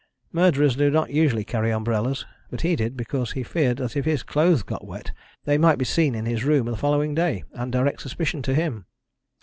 Murderers do not usually carry umbrellas, but he did, because he feared that if his clothes got wet they might be seen in his room the following day, and direct suspicion to him.